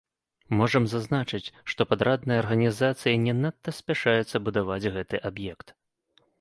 Можам зазначыць, што падрадная арганізацыя не надта спяшаецца будаваць гэты аб'ект.